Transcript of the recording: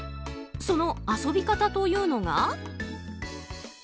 その遊び方というのが。